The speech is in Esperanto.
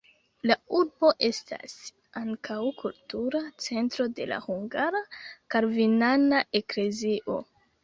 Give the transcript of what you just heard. La urbo estas ankaŭ kultura centro de la hungara kalvinana eklezio.